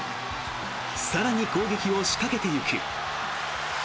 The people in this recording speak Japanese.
更に攻撃を仕掛けていく。